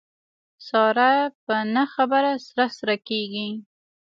ساره په نه خبره سره سره کېږي.